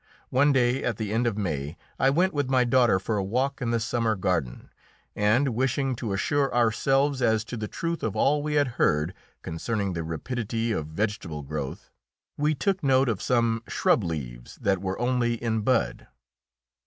One day at the end of May I went with my daughter for a walk in the Summer Garden, and, wishing to assure ourselves as to the truth of all we had heard concerning the rapidity of vegetable growth, we took note of some shrub leaves that were only in bud.